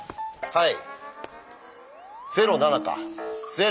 はい。